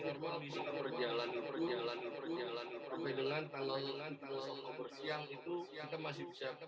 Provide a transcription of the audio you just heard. berjalan berjalan dengan tanggal tanggal bersiang itu kita masih bisa lihat ya